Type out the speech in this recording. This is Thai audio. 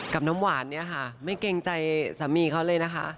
น้ำหวานเนี่ยค่ะไม่เกรงใจสามีเขาเลยนะคะ